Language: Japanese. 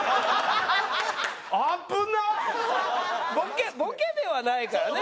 ボケボケではないからね。